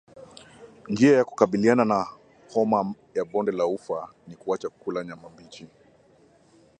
Njia ya kukabiliana na homa ya bonde la ufa ni kuacha kula nyama mbichi